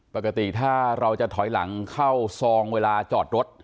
ปกติถ้าเราจะถอยหลังเข้าซองเวลาจอดรถ